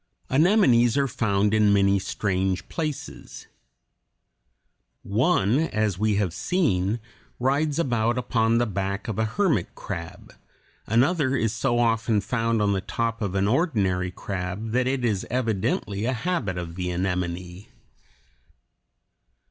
Anemones are found in many strange places. One, as we have seen, rides about upon the back of a hermit crab; another is so often found on the top of an ordinary crab that it is evidently a habit of the anemone.